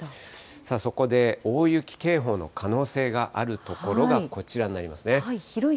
そこで大雪警報の可能性がある所がこちらになりますね。